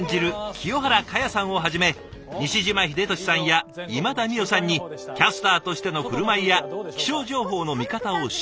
清原果耶さんをはじめ西島秀俊さんや今田美桜さんにキャスターとしての振る舞いや気象情報の見方を指導すること。